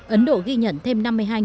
ấn độ ghi nhận thêm năm mươi hai